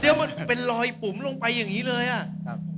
เดี๋ยวมันเป็นรอยปุ่มลงไปอย่างนี้เลยอ่ะครับ